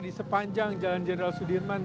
di sepanjang jalan jenderal sudirman